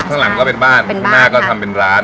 ข้างหลังก็เป็นบ้านข้างหน้าก็ทำเป็นร้าน